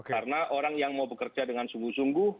karena orang yang mau bekerja dengan sungguh sungguh